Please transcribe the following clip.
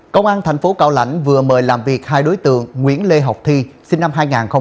công an tp cao lãnh vừa mời làm việc hai đối tượng nguyễn lê học thi sinh năm hai nghìn hai